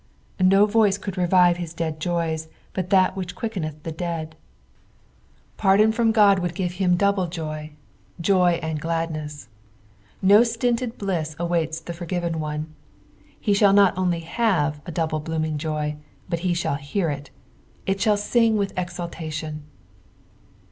Ko voice could revive his dead joys but that which quickeneth the dead. PBA.LM THE FIFTY FIRST, 453 Pardon from Qod would give him double jo; —" joj and gladness." No stints bliss awaits the forgiven one ; ha shall not only Itave a double blooming joj, but he shall hear \t; it sliall sing with exultation.